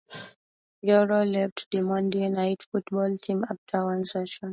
Guerrero left the "Monday Night Football" team after one season.